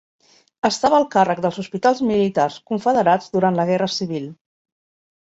Estava al càrrec dels hospitals militars confederats durant la guerra civil.